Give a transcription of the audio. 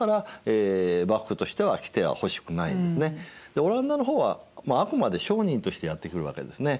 でオランダの方はあくまで商人としてやって来るわけですね。